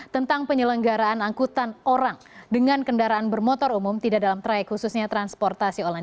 tentang penyelenggaraan angkutan orang dengan kendaraan bermotor umum tidak dalam traik khususnya transportasi online